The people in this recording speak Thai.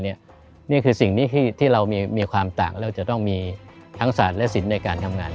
นี่คือสิ่งที่เรามีความต่างแล้วจะต้องมีทั้งศาสตร์และศิลป์ในการทำงาน